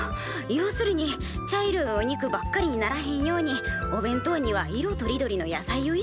要するに茶色いお肉ばっかりにならへんようにお弁当には色とりどりの野菜を入れなあかん